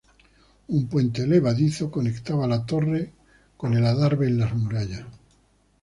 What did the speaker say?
Un puente levadizo conectaba la torre con el adarve en las muralla.